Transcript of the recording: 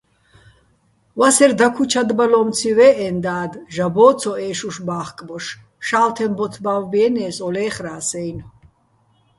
ვასერ დაქუჩადბალო́მციჼ ვე́ჸეჼ და́დ, ჟაბო́ ცოჸე́შუშ ბა́ხკბოშ: "შა́ლთეჼ ბოთთ ბავბიენე́ს, ო ლე́ხრას"-აჲნო̆.